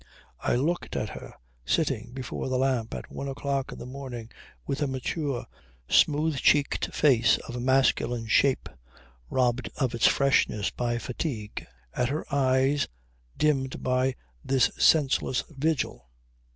I looked at her, sitting before the lamp at one o'clock in the morning, with her mature, smooth cheeked face of masculine shape robbed of its freshness by fatigue; at her eyes dimmed by this senseless vigil.